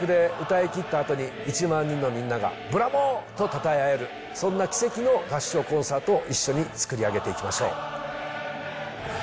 全力で歌い切ったあとに、１万人のみんながブラボー！とたたえ合える、そんな奇跡の合唱コンサートを一緒に作り上げていきましょう。